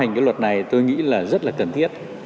ban hành cái luật này tôi nghĩ là rất là cần thiết